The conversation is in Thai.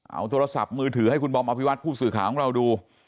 เอาโทรศัพท์มือถือให้คุณบอมอภิวัตผู้สื่อข่าวของเราดู